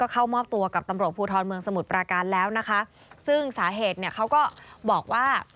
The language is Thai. เข้ามอบตัวกับตำรวจภูทรเมืองสมุทรปราการแล้วนะคะซึ่งสาเหตุเนี่ยเขาก็บอกว่า